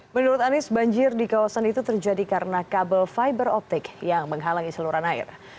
menurut anies banjir di kawasan itu terjadi karena kabel fiberoptik yang menghalangi seluruh air